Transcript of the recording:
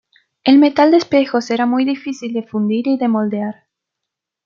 El metal de espejos era muy difícil de fundir y de moldear.